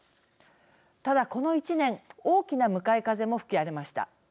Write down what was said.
ただ、この１年大きな向かい風も吹き荒れました。